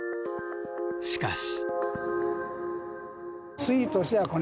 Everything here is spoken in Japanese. しかし。